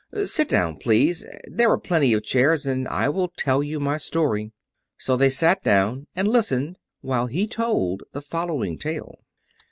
Sit down, please, there are plenty of chairs; and I will tell you my story." So they sat down and listened while he told the following tale.